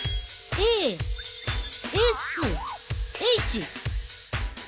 「ＤＡＳＨ」！